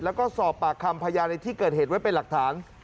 แล้วก็สอบปากคำพยานในที่เกิดเหตุไว้เป็นหลักฐาน